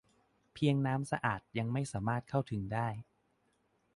เพียงน้ำสะอาดยังไม่สามารถเข้าถึงได้